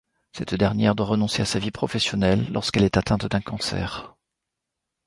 Cette dernière doit renoncer à sa vie professionnelle lorsqu'elle est atteinte d'un cancer.